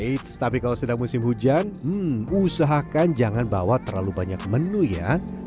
eits tapi kalau sedang musim hujan usahakan jangan bawa terlalu banyak menu ya